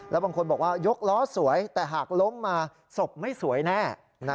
แล้วบางคนบอกว่ายกล้อสวยแต่หากล้มมาศพไม่สวยแน่